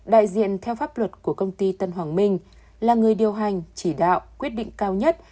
đại diện theo pháp luật của công ty tân hoàng minh là người điều hành chỉ đạo quyết định cao nhất